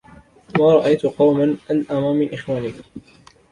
مَا رَأَيْت قَوْمًا أَلْأَمَ مِنْ إخْوَانِك